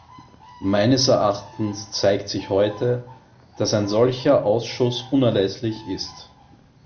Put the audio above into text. Meines Erachtens zeigt sich heute, dass ein solcher Ausschuss unerlässlich ist.